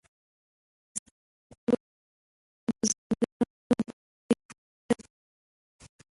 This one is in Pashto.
افغانستان په خپلو مېړنیو بزګانو باندې پوره تکیه لري.